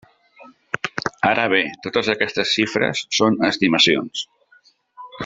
Ara bé, totes aquestes xifres són estimacions.